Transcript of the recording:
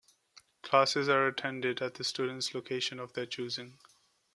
Classes are attended at the students location of their choosing.